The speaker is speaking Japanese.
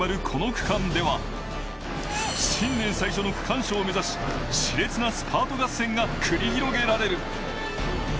この区間では、新年最初の区間賞を目指し、し烈なスパート合戦が繰り広げられる。